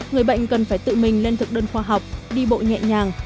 người bệnh cần phải tự mình lên thực đơn khoa học đi bộ nhẹ nhàng